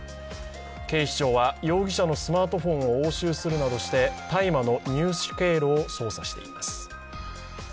警視庁は容疑者のスマートフォンを押収するなどして大麻の入手経路を捜査しています。